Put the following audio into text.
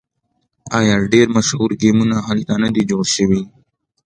آیا ډیر مشهور ګیمونه هلته نه دي جوړ شوي؟